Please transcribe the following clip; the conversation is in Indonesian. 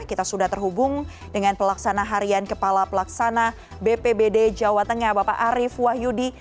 kita sudah terhubung dengan pelaksana harian kepala pelaksana bpbd jawa tengah bapak arief wahyudi